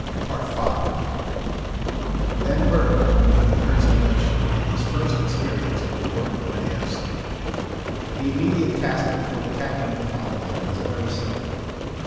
5 Then Bert, under Kurt's direction, had his first experience of the work of an air sailor. The immediate task before the captain of the Vaterland was a very simple one.